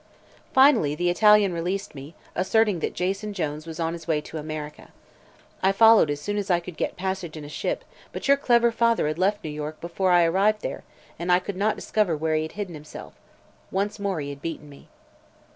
"Finally the Italian released me, asserting that Jason Jones was on his way to America. I followed as soon as I could get passage in a ship, but your clever father had left New York before I arrived there and I could not discover where he had hidden himself. Once more he had beaten me."